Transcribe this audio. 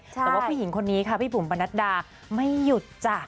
แต่ว่าผู้หญิงคนนี้ค่ะพี่บุ๋มปนัดดาไม่หยุดจ้ะ